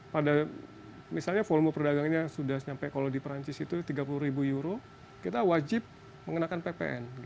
pada misalnya volume perdagangannya sudah sampai kalau di perancis itu tiga puluh ribu euro kita wajib mengenakan ppn